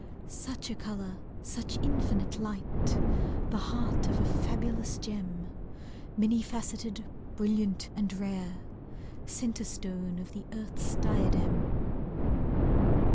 Such a colour, such infinite light! The heart of a fabulous gem, Many faceted, brilliant and rare. Centre Stone of the earth's diadem!